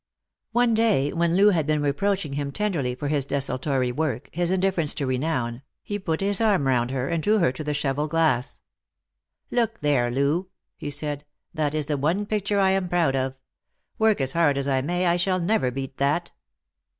One day, when Loo had been reproaching him tenderly for his desultory work, his indifference to renown, he put his arm round her and drew her to the cheval glass. " Look there, Loo," he said; "that is the one picture I am proud of. Work as hard as I may, I shall never beat that."